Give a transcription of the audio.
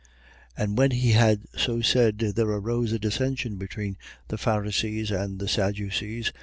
23:7. And when he had so said, there arose a dissension between the Pharisees and the Sadducees.